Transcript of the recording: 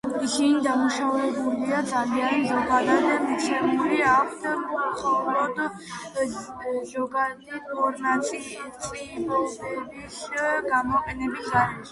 ისინი დამუშავებულია ძალიან ზოგადად, მიცემული აქვთ მხოლოდ ზოგადი ფორმა, წიბოების გამოყვანის გარეშე.